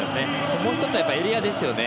もう１つはエリアですよね。